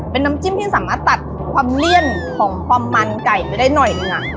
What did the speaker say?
เป็นน้ำจิ้มที่สามารถตัดความเลี่ยนของความมันไก่ไปได้หน่อยหนึ่ง